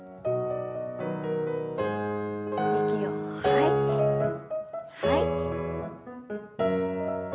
息を吐いて吐いて。